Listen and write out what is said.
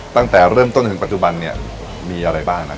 ตั้งแต่เริ่มต้นถึงปัจจุบันเนี่ยมีอะไรบ้างนะ